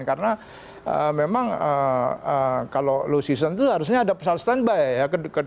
karena memang kalau low season itu harusnya ada pesawat standby